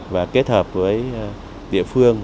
và kết hợp với địa phương